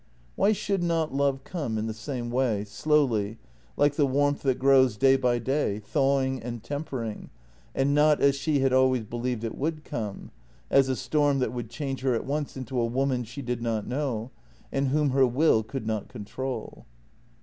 Why should not love come in the same way, slowly, like the warmth that grows day by day, thawing and tempering, and not as she had always believed it would come — as a storm that would change her at once into a woman she did not know, and whom her will could not control.